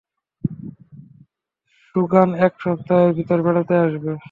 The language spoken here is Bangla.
সোগান এক সপ্তাহের ভেতর বেড়াতে আসবে।